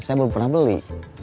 saya belum pernah beli